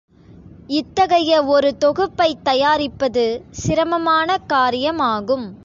இத்தகைய ஒரு தொகுப்பைத் தயாரிப்பது சிரமமானக் காரியமாகும்.